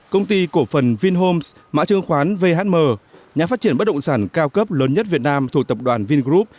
công ty cổ phần vinhome mã trương khoán vhm nhà phát triển bất động sản cao cấp lớn nhất việt nam thuộc tập đoàn vingroup